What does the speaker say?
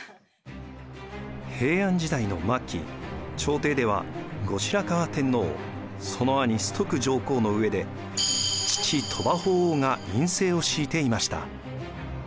平安時代の末期朝廷では後白河天皇その兄崇徳上皇の上で父鳥羽法皇が院政を敷いていました。